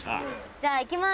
「じゃあいきます！」